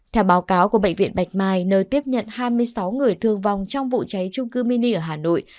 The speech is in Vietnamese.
theo báo cáo của bệnh viện bạch mai nơi tiếp nhận hai mươi sáu người thương vong trong vụ cháy trung cư mini ở hà nội